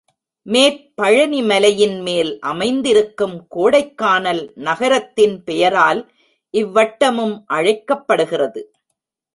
மேற்பழனிமலையின் மேல் அமைந்திருக்கும் கோடைக்கானல் நகரத்தின் பெயரால் இவ்வட்டமும் அழைக்கப்படுகிறது.